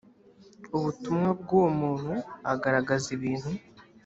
ubutumwa bw uwo muntu agaragaza ibintu